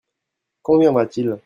Quand viendra-t-il ?